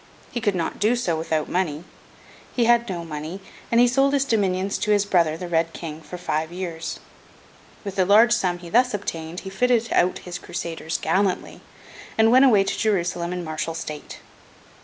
He could not do so without money. He had no money; and he sold his dominions to his brother, the Red King, for five years. With the large sum he thus obtained, he fitted out his Crusaders gallantly, and went away to Jerusalem in martial state.